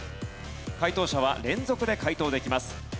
解答者は連続で解答できます。